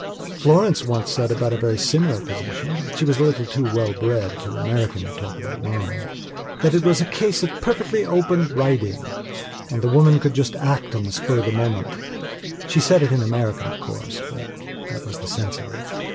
Florence once said about a very similar positionshe was a little too well bred, too American, to talk about minethat it was a case of perfectly open riding and the woman could just act on the spur of the moment. She said it in American of course, but that was the sense of it.